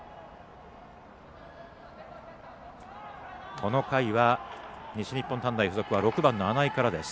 この回は、西日本短大付属は６番の穴井からです。